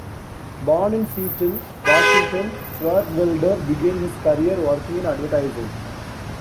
Born in Seattle, Washington, Swartzwelder began his career working in advertising.